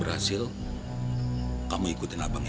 ya ampun abang